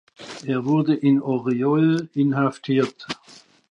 Er wurde in Orjol inhaftiert.